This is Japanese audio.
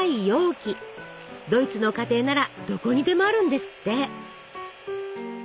ドイツの家庭ならどこにでもあるんですって。